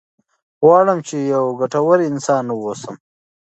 غواړم چې یو ګټور انسان واوسم.